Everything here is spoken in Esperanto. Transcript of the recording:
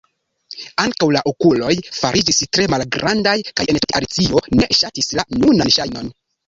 Ankaŭ la okuloj fariĝis tre malgrandaj, kaj entute Alicio ne ŝatis la nunan ŝajnon.